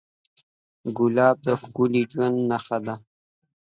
ګلاب د ښکلي ژوند نښه ده.